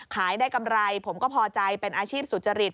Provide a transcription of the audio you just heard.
ขายได้กำไรผมก็พอใจเป็นอาชีพสุจริต